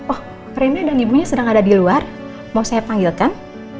oh frenda dan ibunya sedang ada di luar mau saya panggilkan